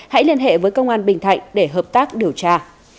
hãy liên hệ với công an bình thạnh để hợp tác điều tra